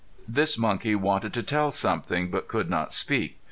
This monkey wanted to tell something, but could not speak.